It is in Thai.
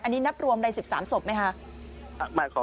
อันนี้นับรวมใน๑๓ศพไหมคะ